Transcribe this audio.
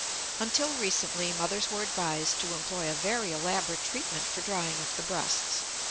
Until recently mothers were advised to employ a very elaborate treatment for drying up the breasts.